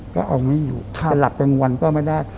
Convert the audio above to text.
จะเอาไม่อยู่แต่หลับกันวันก็ไม่ได้